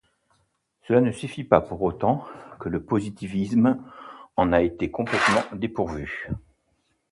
Cela ne signifie pas pour autant que le positivisme en a été complètement dépourvu.